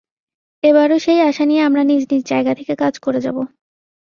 এবারও সেই আশা নিয়ে আমরা নিজ নিজ জায়গা থেকে কাজ করে যাব।